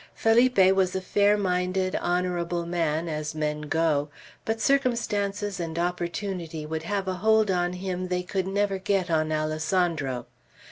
Felipe was a fair minded, honorable man, as men go; but circumstances and opportunity would have a hold on him they could never get on Alessandro.